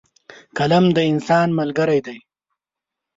قلم د انسان ملګری دی.